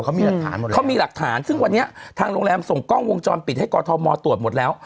เขามีหลักฐานหมดเขามีหลักฐานซึ่งวันนี้ทางโรงแรมส่งกล้องวงจรปิดให้กอทมตรวจหมดแล้ว